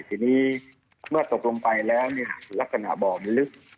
ทีนี้เมื่อตกลงไปแล้วเนี่ยลักษณะบ่อมันลึก